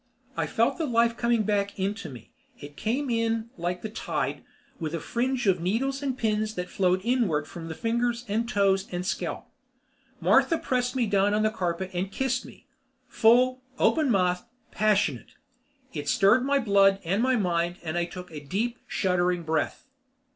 I felt the life coming back into me; it came in like the tide, with a fringe of needles and pins that flowed inward from fingers and toes and scalp. Martha pressed me down on the carpet and kissed me, full, open mouthed, passionate. It stirred my blood and my mind and I took a deep, shuddering breath.